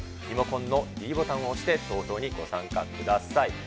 リモコンのｄボタンを押して、投票にご参加ください。